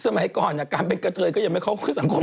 สมัยก่อนการเป็นกระเทยก็ยังไม่เข้าสังคม